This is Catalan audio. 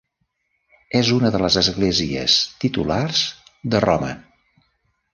És una de les esglésies titulars de Roma.